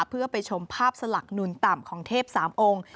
เพื่อไปชมภาพสลักนุนต่ำของเทพสามองค์